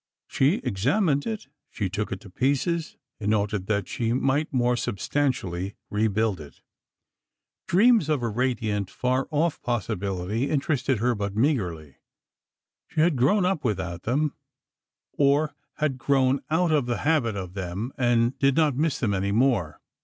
She examined it, she took it to pieces, in order that she might more substantially rebuild it. Dreams of a radiant, far off possibility, interested her but meagerly. She had grown up without them, or had grown out of the habit of them and did not miss them any more.